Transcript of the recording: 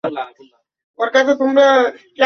শত বোঝানোর পরও কেন আমাকে এভাবে মারছিস?